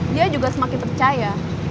dia juga semakin percaya